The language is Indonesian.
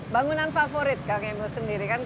bangunan favorit kak emho sendiri kan